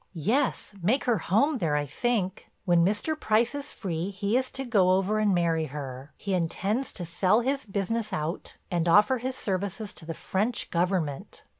"Yes, make her home there, I think. When Mr. Price is free he is to go over and marry her. He intends to sell his business out and offer his services to the French government."